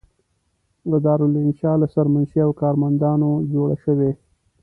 دارالانشأ له سرمنشي او کارمندانو جوړه شوې.